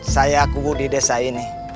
saya kubu di desa ini